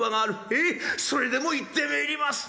「へえそれでも行ってめえります」。